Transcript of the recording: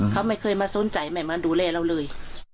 เขาไม่เคยมาสนใจไม่มาดูแลเราเลย